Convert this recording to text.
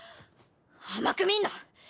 甘く見んな！